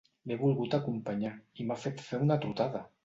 L'he volgut acompanyar, i m'ha fet fer una trotada!